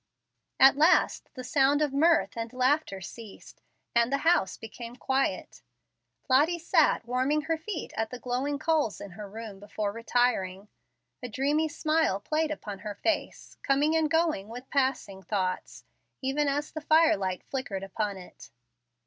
At last the sound of mirth and laughter ceased, and the house became quiet. Lottie sat warming her feet at the glowing coals in her room, before retiring. A dreamy smile played upon her face, coming and going with passing thoughts, even as the firelight flickered upon it.